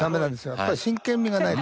やっぱり真剣みがないと。